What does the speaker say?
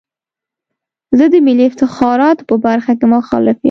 زه د ملي افتخاراتو په برخه کې مخالف یم.